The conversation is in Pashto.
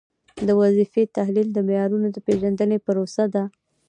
د وظیفې تحلیل د معیارونو د پیژندنې پروسه ده.